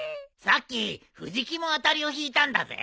さっき藤木も当たりを引いたんだぜ。